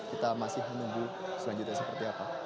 kita masih menunggu selanjutnya seperti apa